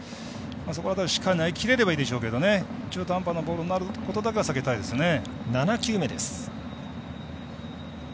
そこの辺りしっかり投げ切れればいいでしょうけど中途半端なボールになることは避けたいですね。